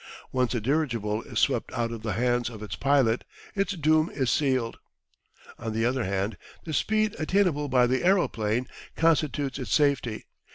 Once a dirigible is swept out of the hands of its pilot its doom is sealed. On the other hand, the speed attainable by the aeroplane constitutes its safety.